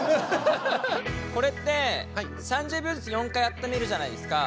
これって３０秒ずつ４回温めるじゃないですか。